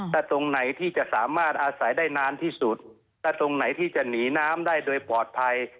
ถ้าตรงไหนที่จะสามารถอาศัยได้นานที่สุดถ้าตรงไหนที่จะหนีน้ำได้โดยปลอดภัย